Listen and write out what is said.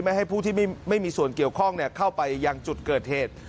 ให้ผู้ที่ไม่มีส่วนเกี่ยวข้องเข้าไปยังจุดเกิดเหตุ